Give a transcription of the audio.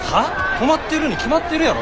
止まってるに決まってるやろ。